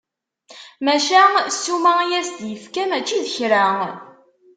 Maca, ssuma i as-d-yefka mačči d kra!